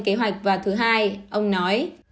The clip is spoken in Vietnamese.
kế hoạch và thứ hai ông nói